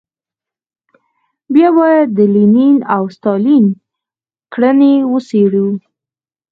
بیا باید د لینین او ستالین کړنې وڅېړو.